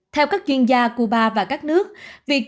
theo các chuyên gia cuba và các nước